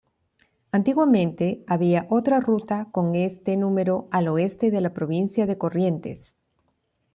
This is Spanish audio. Antiguamente había otra ruta con este número al oeste de la provincia de Corrientes.